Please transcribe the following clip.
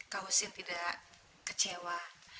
kak husin tidak kecewa